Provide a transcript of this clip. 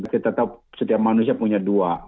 kita tahu setiap manusia punya dua